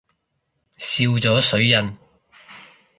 笑咗水印